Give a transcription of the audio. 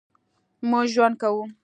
مونږ ژوند کوو